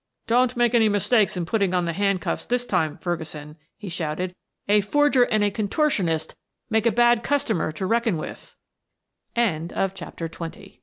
"Don't make any mistake in putting on the handcuffs this time, Ferguson," he shouted. "A forger and a contortionist make a bad customer to reckon with." CHAPTER XXI. THE RIDDLE A